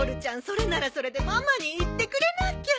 それならそれでママに言ってくれなきゃ。